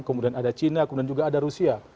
kemudian ada china kemudian juga ada rusia